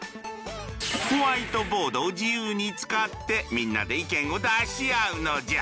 ホワイトボードを自由に使ってみんなで意見を出し合うのじゃ。